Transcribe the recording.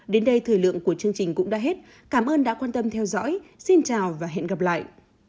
đến đây thời lượng của chương trình cũng đã hết cảm ơn đã quan tâm theo dõi xin chào và hẹn gặp lại